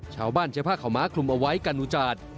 ชาวบ้านเฉพาะข่าวม้าคลุมเอาไว้กันหนุจาด